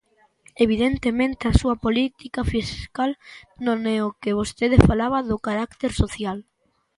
Evidentemente, a súa política fiscal non é o que vostede falaba do carácter social.